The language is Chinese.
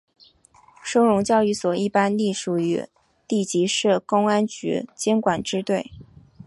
收容教育所一般隶属于地级市公安局监管支队。